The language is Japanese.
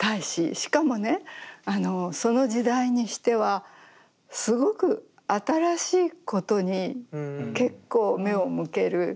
しかもねその時代にしてはすごく新しいことに結構目を向ける。